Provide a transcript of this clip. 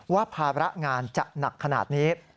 ภาระงานจะหนักขนาดนี้